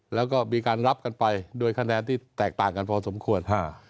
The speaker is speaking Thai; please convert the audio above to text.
แล้วก็มีการรับกันไปโดยคะแนนที่แตกต่างกันพอสมควร